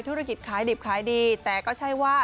ธุรกิจขายดิบขายดีแต่ก็ใช่ว่า